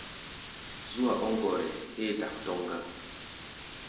Zú-a ɔ́ ŋgɔrɛɛ héé dak tɔ́ŋ gá.